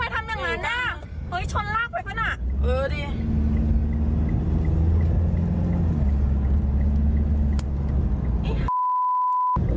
เออดี